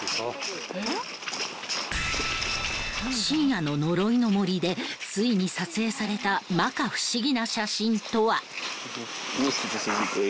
深夜の呪いの森でついに撮影された摩訶不思議な写真とは？